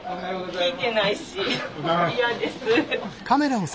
聞いてないし。